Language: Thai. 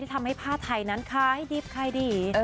ที่ทำให้ผ้าไทยนั้นค่ะให้ดิบค่ะดิ